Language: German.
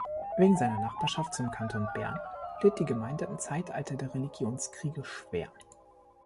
Wegen seiner Nachbarschaft zum Kanton Bern litt die Gemeinde im Zeitalter der Religionskriege schwer.